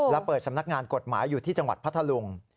และเปิดสำนักงานกฎหมายอยู่ที่จังหวัดพัทธลุง